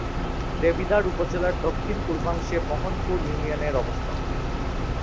দেবিদ্বার উপজেলার দক্ষিণ-পূর্বাংশে মোহনপুর ইউনিয়নের অবস্থান।